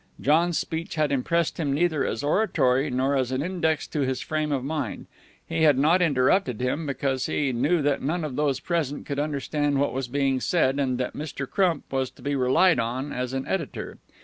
John's speech had impressed him neither as oratory nor as an index to his frame of mind. He had not interrupted him, because he knew that none of those present could understand what was being said, and that Mr. Crump was to be relied on as an editor.